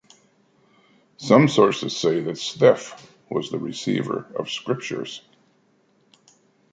Some sources say that Seth was the receiver of scriptures.